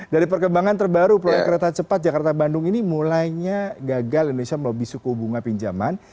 dari perkembangan terbaru proyek kereta cepat jakarta bandung ini mulainya gagal indonesia melobi suku bunga pinjaman